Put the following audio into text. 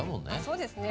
そうですね。